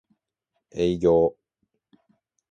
営業